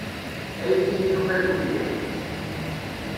Aydi n Yuba d umliḥ.